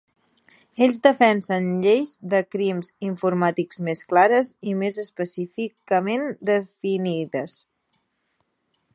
Ells defensen lleis de crims informàtics més clares i més específicament definides.